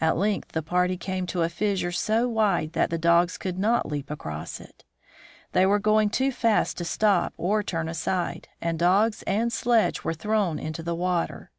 At length the party came to a fissure so wide that the dogs could not leap across it. They were going too fast to stop or turn aside, and dogs and sledge were thrown into the water.